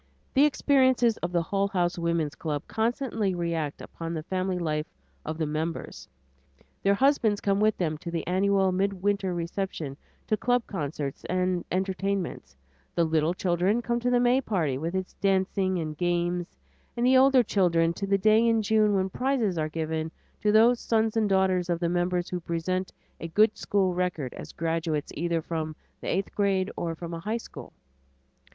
The experiences of the Hull House Woman's Club constantly react upon the family life of the members. Their husbands come with them to the annual midwinter reception, to club concerts and entertainments; the little children come to the May party, with its dancing and games; the older children, to the day in June when prizes are given to those sons and daughters of the members who present a good school record as graduates either from the eighth grade or from a high school.